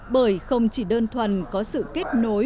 vì không chỉ đơn thuần có sự kết nối